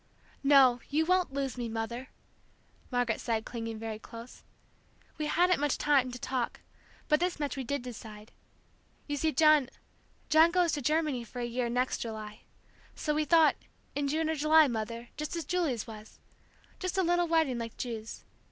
"No, you won't lose me, Mother," Margaret said, clinging very close. "We hadn't much time to talk, but this much we did decide. You see, John John goes to Germany for a year, next July. So we thought in June or July, Mother, just as Julie's was! Just a little wedding like Ju's.